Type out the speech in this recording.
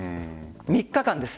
３日間です。